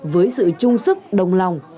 với sự chung sức đồng lòng